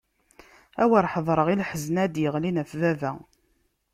A wer ḥedṛeɣ i leḥzen ara d-iɣlin ɣef baba!